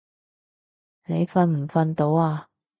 你瞓唔瞓到啊？